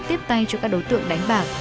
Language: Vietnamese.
tiếp tay cho các đối tượng đánh bạc